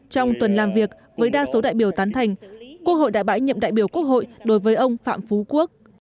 trong tuần làm việc với đa số đại biểu tán thành quốc hội đã bãi nhiệm đại biểu quốc hội đối với ông phạm phú quốc